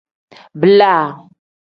Bila.